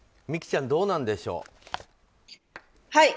美姫ちゃんどうなんでしょう。